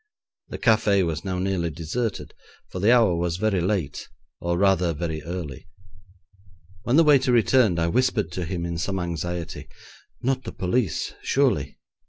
The café was now nearly deserted, for the hour was very late, or, rather, very early. When the waiter returned I whispered to him in some anxiety, 'Not the police, surely?'